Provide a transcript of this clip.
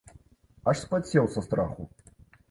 Аж спацеў са страху!